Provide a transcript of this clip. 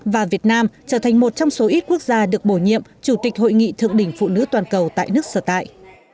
và việt nam trở thành một trong số ít quốc gia được bổ nhiệm chủ tịch hội nghị thượng đỉnh phụ nữ toàn cầu tại nước sở tại